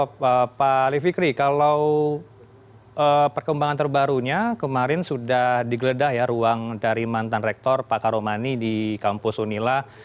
oke pak ali fikri kalau perkembangan terbarunya kemarin sudah digeledah ya ruang dari mantan rektor pak karomani di kampus unila